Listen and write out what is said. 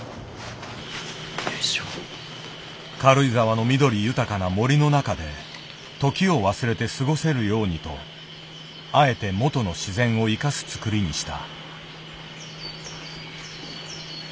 軽井沢の緑豊かな森の中で時を忘れて過ごせるようにとあえて元の自然を生かすつくりにした。